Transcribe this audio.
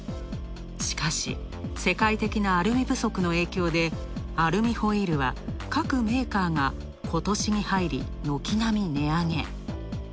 しかし、世界的なアルミ不足の影響でアルミホイールは各メーカーが今年に入り軒並み値上げ。